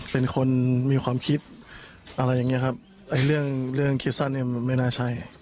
เป็นคนมีความคิดอะไรอย่างนี้ครับเรื่องคิดสั้นไม่น่าใช่